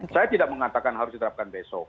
saya tidak mengatakan harus diterapkan besok